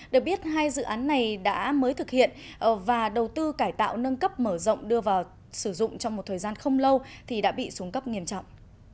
được biết hai dự án này đã mới thực hiện và đầu tư cải tạo nâng cấp mở rộng đưa vào sử dụng trong một thời gian không lâu thì đã bị xuống cấp nghiêm trọng